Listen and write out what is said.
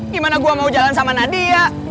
gimana gue mau jalan sama nadia